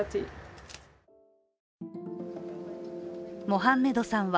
モハンメドさん